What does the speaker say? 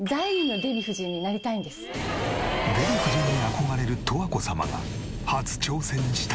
デヴィ夫人に憧れる十和子様が初挑戦したのが。